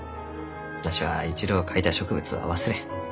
わしは一度描いた植物は忘れん。